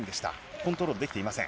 コントロールできていません。